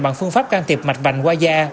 bằng phương pháp can thiệp mạch vạnh qua da